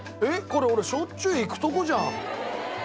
これ俺しょっちゅう行くとこじゃん！